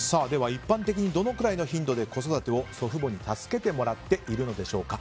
一般的にどんな頻度で子育てを祖父母に助けてもらっているのでしょうか。